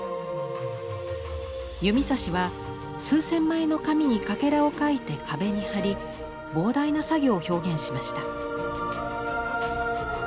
弓指は数千枚の紙にカケラを描いて壁に貼り膨大な作業を表現しました。